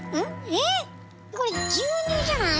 えっこれ牛乳じゃない？